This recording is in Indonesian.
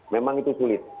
memang itu sulit